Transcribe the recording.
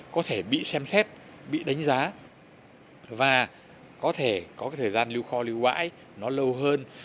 có thể bị xem xét bị đánh giá và có thể có cái thời gian lưu kho lưu bãi nó lâu hơn